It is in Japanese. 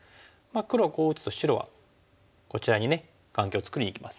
黒はこう打つと白はこちらに眼形を作りにいきます。